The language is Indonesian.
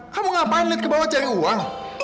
kamu ngapain liat ke bawah cari uang